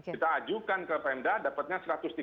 kita ajukan ke pemda dapatnya satu ratus tiga puluh